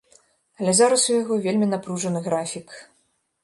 Але зараз у яго вельмі напружаны графік.